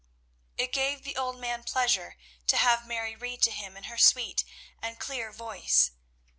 It gave the old man pleasure to have Mary read to him in her sweet and clear voice.